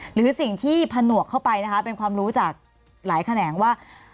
หรือสิ่งที่ผนวกเข้าไปนะคะเป็นความรู้จากหลายแขนงว่า